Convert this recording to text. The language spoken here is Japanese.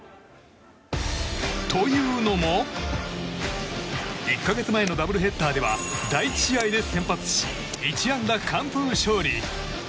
というのも１か月前のダブルヘッダーでは第１試合で先発し１安打完封勝利。